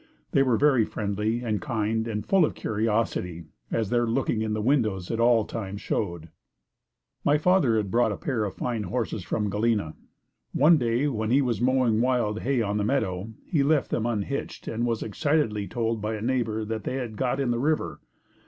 They were very friendly and kind and full of curiosity, as their looking in the windows at all times showed. My father had brought a fine pair of horses from Galena. One day when he was mowing wild hay on a meadow, he left them unhitched and was excitedly told by a neighbor that they had got in the river.